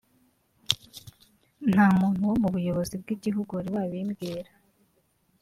nta muntu wo mu buyobozi bw’igihugu wari wabimbwira”